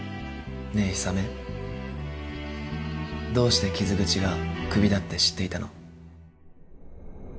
ねえ氷雨どうして傷口が首だって知っていたの？